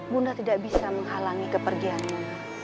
bunda tidak bisa menghalangi kepergiannya